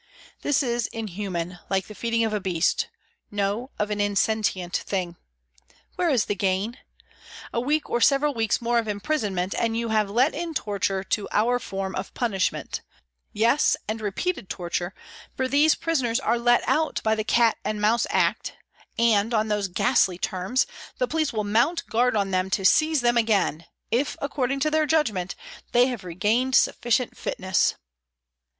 This is inhuman, like the feeding of a beast no, of an insentient thing. Where is the gain ? A week or several weeks more of imprisonment, and you have let in torture to our form of punishment ; yes, and repeated torture, for these prisoners are let out by the " Cat and Mouse " Act, and, on those ghastly terms, the police will mount guard on them to seize them again if, according to their judgment, they have regained sufficient fitness.